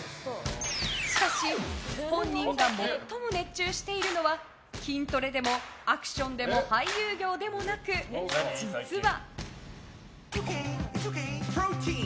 しかし、本人が最も熱中しているのは筋トレでもアクションでも俳優業でもなく実は。